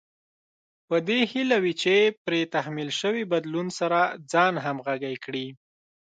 په دې هيله وي چې پرې تحمیل شوي بدلون سره ځان همغږی کړي.